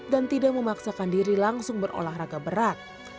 dan tidak memaksakan diri langsung berolahraga berat